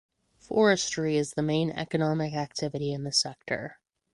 Forestry is the main economic activity in the sector.